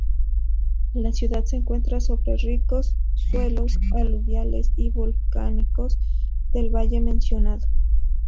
La ciudad se encuentra sobre ricos suelos aluviales y volcánicos del valle mencionado.